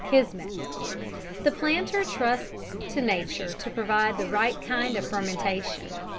Kismet! The planter trusts to nature to provide the right kind of fermentation.